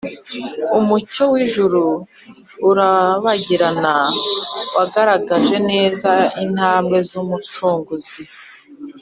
, umucyo w’ijuru urabagirana wagaragaje neza intambwe z’Umucunguzi